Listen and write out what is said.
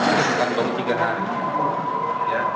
ini bukan baru tiga hari